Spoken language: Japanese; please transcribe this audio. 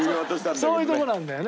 そういうとこなんだよね。